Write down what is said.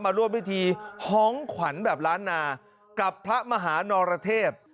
ร่วมพิธีฮ้องขวัญแบบล้านนากับพระมหานรเทพ